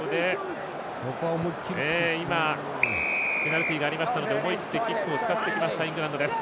ペナルティがありましたので思い切ってキックを使ってきたイングランドです。